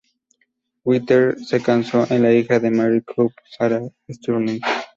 Winter se casó con la hija de Mary Cobb, Sarah Stirling.